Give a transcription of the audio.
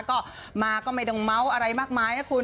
ก็มาก็ไม่ต้องเมาส์อะไรมากมายนะคุณ